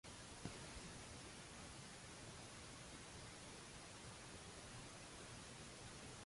Imma s-sentimenti nazzjonalisti qatt ma kienu 'l bogħod mill-wiċċ.